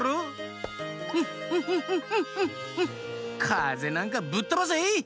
かぜなんかぶっとばせ！